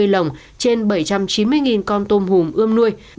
hai bốn trăm năm mươi lồng trên bảy trăm chín mươi con tôm hùm ươm nuôi